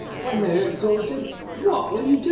When they are exhausted, what then will you do?